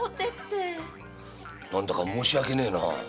何だか申し訳ねえな。